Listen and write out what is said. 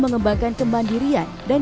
mengembangkan kemandirian dan